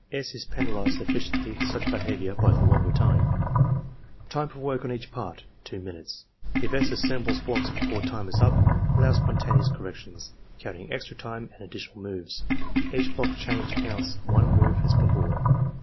S. is penalized sufficiently for such behavior by the longer time. Time for work on each part, two minutes. If S. assembles blocks before time is up, allow spontaneous corrections, count ing extra time and additional moves. Each block changed counts one move as before.